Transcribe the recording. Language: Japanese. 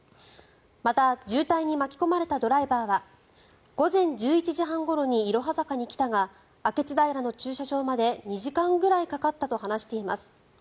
また、渋滞に巻き込まれたドライバーは午前１１時半ごろにいろは坂に来たが明智平の駐車場まで２時間ぐらいかかったと話しています。